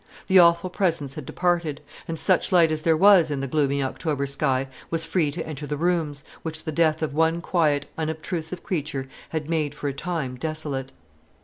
The Awful Presence had departed; and such light as there was in the gloomy October sky was free to enter the rooms, which the death of one quiet, unobtrusive creature had made for a time desolate.